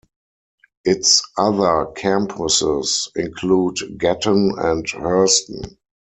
Its other campuses include Gatton and Herston.